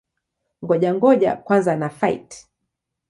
Ngoja-ngoja kwanza na-fight!